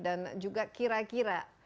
dan juga kira kira